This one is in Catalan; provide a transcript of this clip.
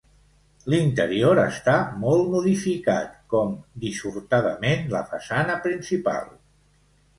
L'interior està molt modificat, com dissortadament la façana principal.